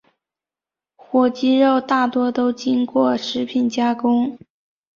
火鸡肉大多都经过食品加工。